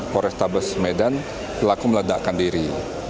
polrestabes medan pelaku meledakkan diri